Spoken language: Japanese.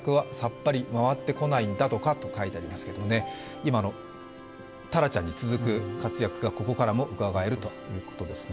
今のタラちゃんに続く活躍がここからもうかがえるということですね。